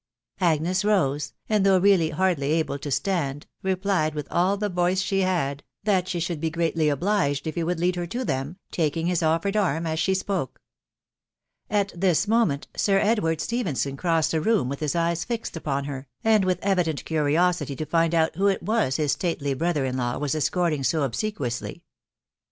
Agnes rose, and though really hardly able to stand; replied^ with all die voice she had, that she should be greatly; obhged if he would lead her to tivem, taking hnr offered arm as she spoke. At this moment Sue ItfrwaaA ^ftgghgmnn tajaancd? the *oom with his eye* fixed upon Iwsi , wA. "*V&. wAssnX TOE&mtai V to find tut whe>it was \m stately brother in law was escorting so obsequiously.